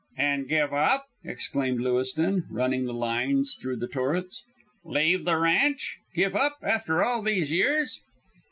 "And give up!" exclaimed Lewiston, running the lines through the torets. "Leave the ranch! Give up! After all these years!"